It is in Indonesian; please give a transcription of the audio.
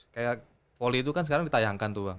kayak volley itu kan sekarang ditayangkan tuh bang